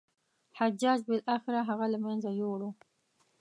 حجاج بالاخره هغه له منځه یووړ.